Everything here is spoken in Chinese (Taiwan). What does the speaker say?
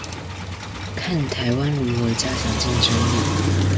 看台灣如何加強競爭力